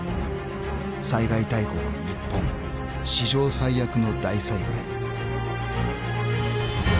［災害大国日本史上最悪の大災害］